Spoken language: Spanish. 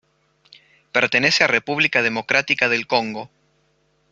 Pertenece a República Democrática del Congo.